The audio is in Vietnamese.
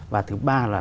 và thứ ba là